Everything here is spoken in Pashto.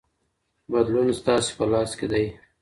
بدلون ستاسې په لاس کې دی.